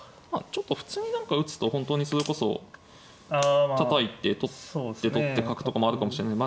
ちょっと普通に何か打つと本当にそれこそたたいて取って取って角とかもあるかもしれない。